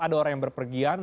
ada orang yang berpergian